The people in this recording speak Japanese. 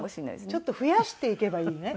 ちょっと増やしていけばいいね。